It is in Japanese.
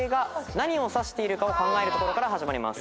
何を指しているかを考えるところから始まります。